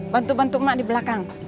bantu bantu mak di belakang